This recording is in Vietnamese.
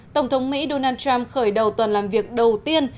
tổng thống mỹ donald trump khởi đầu tuần làm việc đầu tiên